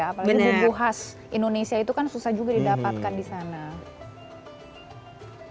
apalagi bumbu khas indonesia itu kan susah juga didapatkan di sana